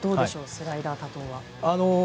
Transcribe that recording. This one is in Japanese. スライダー多投は。